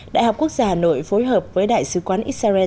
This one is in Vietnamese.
đại học quốc gia hà nội phối hợp với đại sứ quán israel